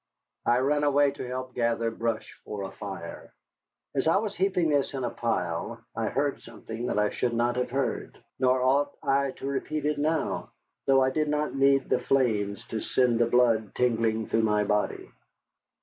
I ran away to help gather brush for a fire. As I was heaping this in a pile I heard something that I should not have heard. Nor ought I to repeat it now, though I did not need the flames to send the blood tingling through my body.